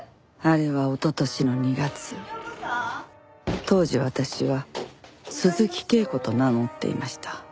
あれはおととしの２月当時私は鈴木恵子と名乗っていました。